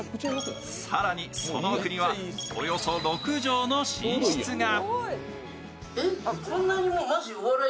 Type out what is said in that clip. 更に、その奥にはおよそ６畳の寝室が。